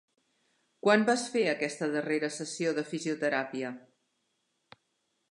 Quan vas fer aquesta darrera sessió de fisioteràpia?